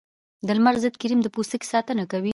د لمر ضد کریم د پوستکي ساتنه کوي